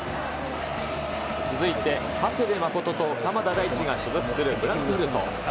続いて、長谷部誠と鎌田大地が所属するフランクフルト。